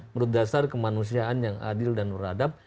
menurut dasar kemanusiaan yang adil dan beradab